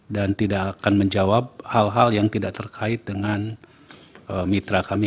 dan tidak akan menjawab hal hal yang tidak terkait dengan mitra kami